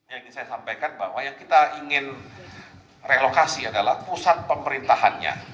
yang ingin saya sampaikan bahwa yang kita ingin relokasi adalah pusat pemerintahannya